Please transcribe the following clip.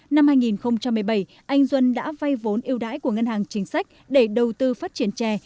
năm hai nghìn một mươi bảy anh duân đã vay vốn yêu đái của ngân hàng chính sách để đầu tư phát triển chè